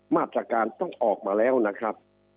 มาตรการต้องออกมาแล้วนะครับ